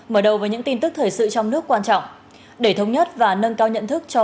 mở đầu với những tin tức thời sự trong nước quan trọng để thống nhất và nâng cao nhận thức cho